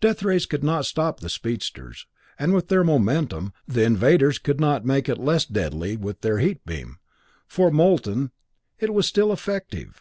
Death rays could not stop the speedsters, and with their momentum, the invaders could not make it less deadly with their heat beam, for, molten, it was still effective.